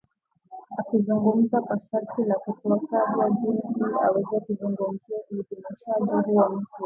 Akizungumza kwa sharti la kutotajwa jina ili aweze kuzungumzia uidhinishaji huo mpya